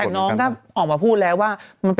แต่น้องก็ออกมาพูดแล้วว่า